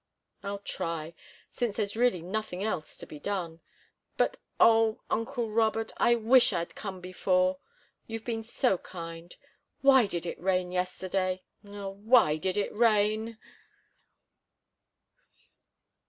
"I'll try, since there's really nothing else to be done. But oh, uncle Robert, I wish I'd come before. You've been so kind! Why did it rain yesterday oh, why did it rain?"